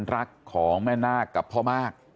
สวัสดีครับคุณผู้ชาย